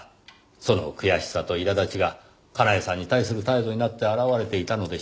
その悔しさと苛立ちがかなえさんに対する態度になって表れていたのでしょうねぇ。